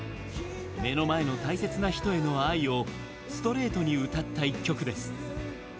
目の前の大切な人への愛をストレートに歌った１曲です。